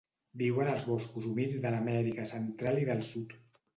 Viuen als boscos humits de l'Amèrica Central i del Sud.